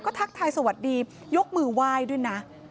ก็ทักทายสวัสดียกมือวายด้วยนะ